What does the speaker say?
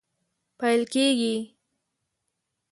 پیل کیږي